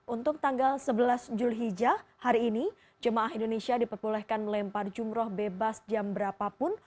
untuk tanggal sebelas julhijjah hari ini jemaah indonesia diperbolehkan melempar jumroh bebas jam berapapun